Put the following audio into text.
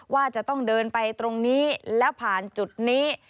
ว่าจะต้องเดินไปตรงนี้แล้วผ่านจุดนี้